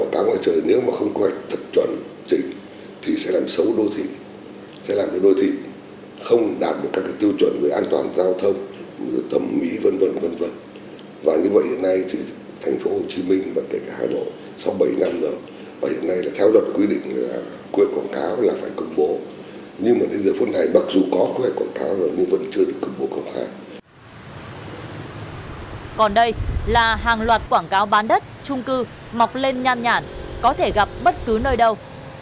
còn đây là hàng loạt quảng cáo bán đất trung cư mọc lên nhàn nhản có thể gặp bất cứ nơi đâu